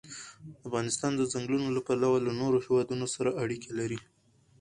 افغانستان د ځنګلونه له پلوه له نورو هېوادونو سره اړیکې لري.